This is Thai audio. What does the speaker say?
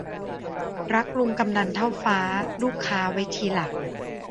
รักลุงกำนันเท่าฟ้า ลูกค้าไว้ทีหลัง